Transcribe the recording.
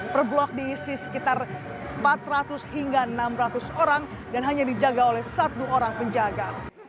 per blok diisi sekitar empat ratus hingga enam ratus orang dan hanya dijaga oleh satu orang penjaga